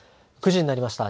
９時になりました。